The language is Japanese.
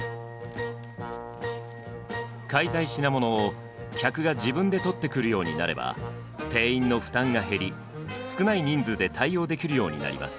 買いたい品物を客が自分で取ってくるようになれば店員の負担が減り少ない人数で対応できるようになります。